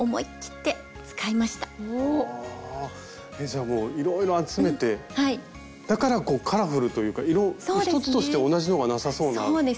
じゃあもういろいろ集めてだからカラフルというか色一つとして同じのがなさそうな感じなんですけど。